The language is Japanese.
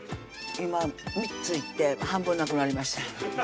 今３ついって半分なくなりました